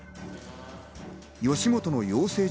吉本の養成所